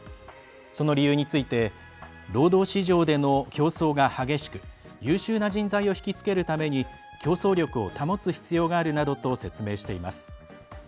その理由について労働市場での競争が激しく優秀な人材を引きつけるために競争力を保つ必要があるなどと説明しています。